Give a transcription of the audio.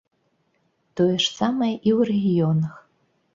Тое ж самае і ў рэгіёнах.